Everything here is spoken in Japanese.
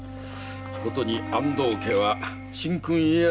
ことに安藤家は神君家康